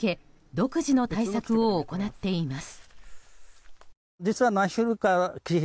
独自の対策を行っています。